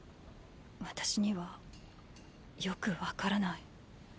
私にはよくわからない。